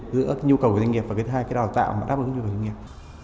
giữa nhu cầu của doanh nghiệp và cái hai cái đào tạo mà đáp ứng với doanh nghiệp